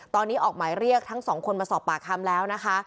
ตอนนี้ออกหมายเรียกทั้งสองคนมาสอบปากคำแล้วนะคะ